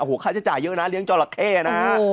โอ้โหค่าใช้จ่ายเยอะนะเลี้ยงจราเข้นะฮะ